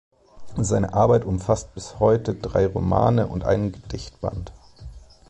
Seine Arbeit umfasst bis heute drei Romane und einen Gedichtband.